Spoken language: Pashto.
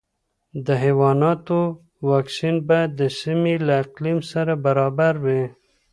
د حیواناتو واکسین باید د سیمې له اقلیم سره برابر وي.